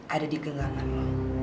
ada di genggaman lo